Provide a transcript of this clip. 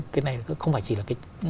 cái này không phải chỉ là